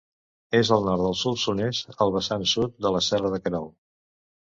És al nord del Solsonès, al vessant sud de la serra de Querol.